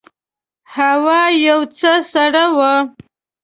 هوا یو څه سړه وه.